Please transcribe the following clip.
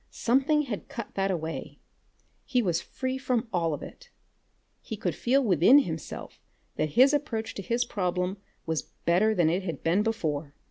Something had cut that away. He was free from it all. He could feel within himself that his approach to his problem was better than it had been before.